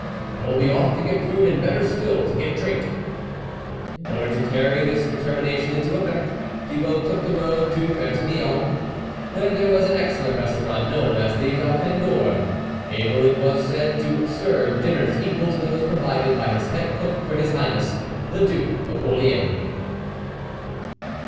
I will be off to get food, and better still, to get drink !" In order to carry this determination into effect, Thibault took the road to Ferte Milon, where there was an excellent restaurant, known as the Dauphin d'Or, able it was said to serve up dinners equal to those provided by his head cook for his Highness, the Duke of Orleans.